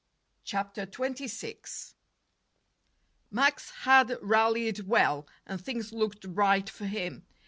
CHAPTER XXVI Max had rallied well, and things looked bright for him.